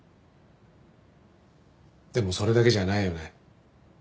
でもそれだけじゃないよね。